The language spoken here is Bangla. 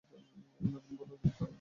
নবীন বললে, ঠিক তার উলটো।